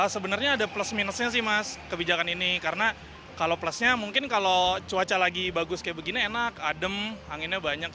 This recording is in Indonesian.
sebenarnya ada plus minusnya sih mas kebijakan ini karena kalau plusnya mungkin kalau cuaca lagi bagus kayak begini enak adem anginnya banyak